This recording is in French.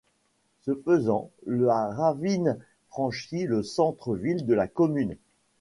Ce faisant, la ravine franchit le centre-ville de la commune.